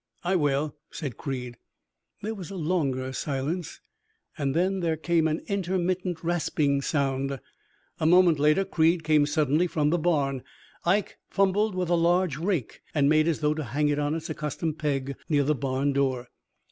"'I will,' said Creed. "There was a longer silence, and then there came an intermittent rasping sound. A moment later Creed came suddenly from the barn. Ike fumbled with a large rake, and made as though to hang it on its accustomed peg near the barn door.